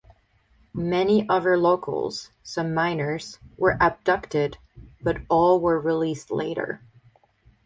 Many other locals, some minors, were abducted, but all were released later.